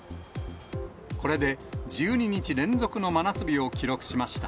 これで１２日連続の真夏日を記録しました。